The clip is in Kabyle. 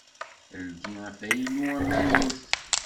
Ldi afaylu amaynut.